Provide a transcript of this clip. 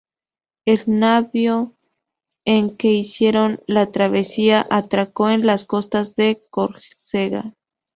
El navío en que hicieron la travesía atracó en las costas de Córcega.